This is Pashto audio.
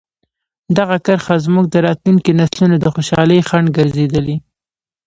دغه کرښه زموږ د راتلونکي نسلونو د خوشحالۍ خنډ ګرځېدلې.